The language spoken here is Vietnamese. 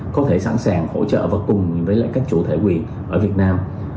có thể sẵn sàng hỗ trợ và cùng với các chủ thể quyền ở việt nam